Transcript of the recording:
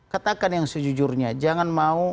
katakan yang sejujurnya jangan mau